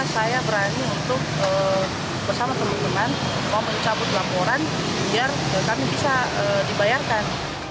saya berani untuk bersama teman teman mau mencabut laporan biar kami bisa dibayarkan